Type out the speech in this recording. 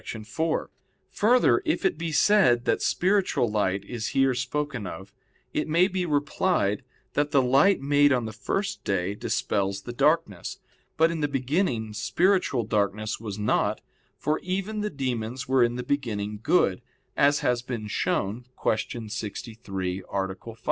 4: Further, if it be said that spiritual light is here spoken of, it may be replied that the light made on the first day dispels the darkness. But in the beginning spiritual darkness was not, for even the demons were in the beginning good, as has been shown (Q. 63, A. 5).